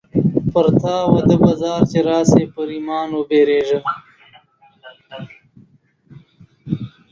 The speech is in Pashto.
پر تا وده بازار چې راسې ، پر ايمان وبيرېږه.